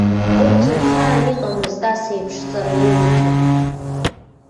Урҭ рхаан иҟамызт ас еиԥш ҵараиурҭак.